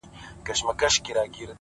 هره ورځ د ښه کېدو فرصت دی,